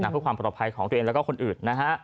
เพื่อความปลอดภัยของตัวเองแล้วก็คนอื่นนะฮะ